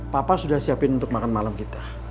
papa sudah siapin untuk makan malam kita